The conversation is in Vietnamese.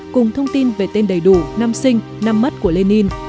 cùng thông tin về tên đầy đủ năm sinh năm mất của lenin